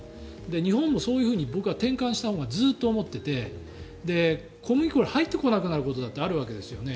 日本もそういうふうに転換したほうがいいと僕はずっと思っていて小麦入ってこなくなることだってあるわけですよね。